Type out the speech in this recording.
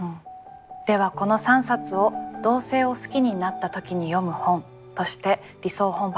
ではこの３冊を「同性を好きになった時に読む本」として理想本箱に収蔵いたします。